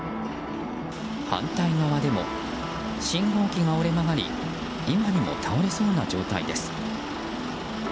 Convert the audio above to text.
反対側でも信号機が折れ曲がり今にも倒れそうな状態です。